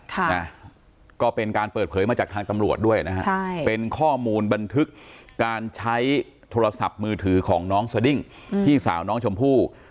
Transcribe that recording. ค่ะนะก็เป็นการเปิดเผยมาจากทางตำรวจด้วยนะฮะใช่เป็นข้อมูลบันทึกการใช้โทรศัพท์มือถือของน้องสดิ้งพี่สาวน้องชมพู่